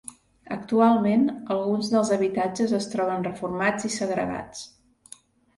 Actualment alguns dels habitatges es troben reformats i segregats.